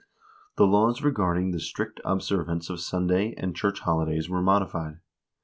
The laws regarding the strict observance of Sunday and church holidays were modified.